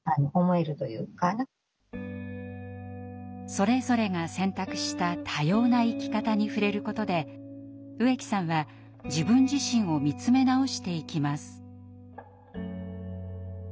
それぞれが選択した多様な生き方に触れることで植木さんは自分自身を見つめ直していきます。